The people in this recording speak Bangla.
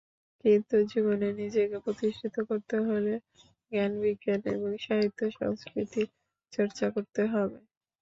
কিন্তু জীবনে নিজেকে প্রতিষ্ঠিত করতে হলে জ্ঞান-বিজ্ঞান এবং সাহিত্য-সংস্কৃতির চর্চাও করতে হবে।